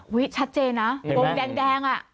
ชัดเจนนะวงแดงอ่ะ